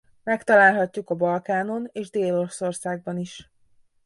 Megtalálhatjuk a Balkánon és Dél-Oroszországban is.